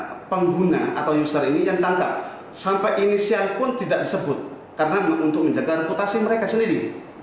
ada pengguna atau user ini yang ditangkap sampai inisial pun tidak disebut karena untuk menjaga reputasi mereka sendiri